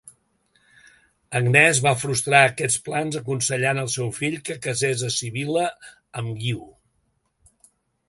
Agnès va frustrar aquests plans aconsellant el seu fill que casés a Sibil·la amb Guiu.